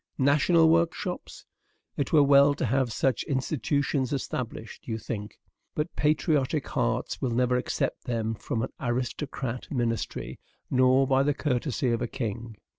"National workshops! it were well to have such institutions established," you think; "but patriotic hearts never will accept them from an aristocratic ministry, nor by the courtesy of a king."